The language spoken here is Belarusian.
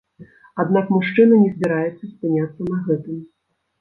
Аднак мужчына не збіраецца спыняцца на гэтым.